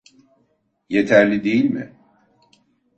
Yeterli değil mi?